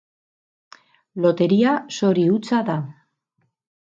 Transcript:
Loteria zori hutsa da.